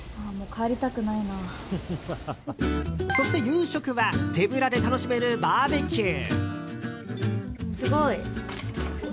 そして、夕食は手ぶらで楽しめるバーベキュー。